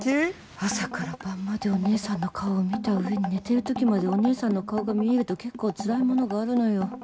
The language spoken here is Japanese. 朝から晩までお姉さんの顔を見たうえに寝ているときまでお姉さんの顔が見えるの結構つらいものがあるのよ。